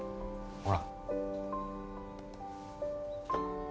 ほら